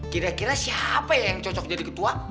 kira kira siapa yang cocok jadi ketua